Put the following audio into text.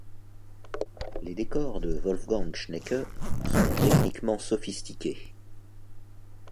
Les décors de Wolfgang Schnecke sont techniquement sophistiqués.